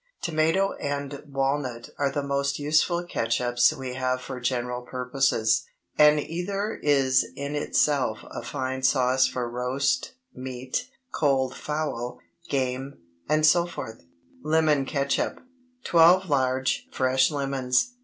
Tomato and walnut are the most useful catsups we have for general purposes, and either is in itself a fine sauce for roast meat, cold fowl, game, etc. LEMON CATSUP. 12 large, fresh lemons.